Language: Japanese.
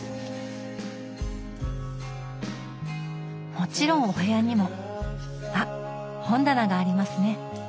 もちろんお部屋にもあっ本棚がありますね。